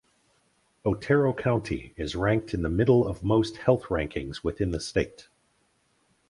Otero County is ranked in the middle of most health rankings within the state.